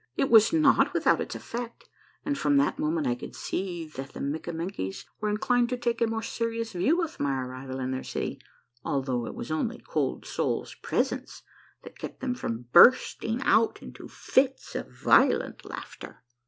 It was not with out its effect, and from that moment I could see that the Mik kamenkies were inclined to take a more serious view of my arrival in their city, although it was only Cold Soul's presence that kept them from bursting out into fits of violent laughter.